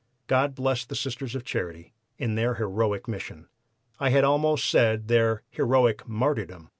God bless the Sisters of Charity in their heroic mission! I had almost said their heroic martyrdom!